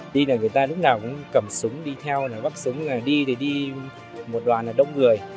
đi là người ta lúc nào cũng cầm súng đi theo bắt súng đi đi một đoàn là đông người